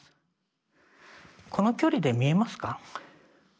この距離で見えますか？